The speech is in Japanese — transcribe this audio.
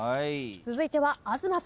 続いては東さん。